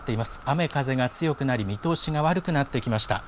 雨、風が強くなり、見通しが悪くなってきました。